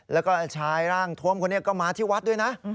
แล้วก็ชายร่างทวมคนนี้ก็มาที่วัดด้วยนะ